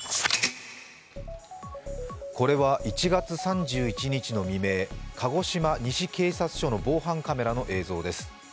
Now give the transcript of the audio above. これは１月３１日の未明、鹿児島西警察署の防犯カメラの映像です。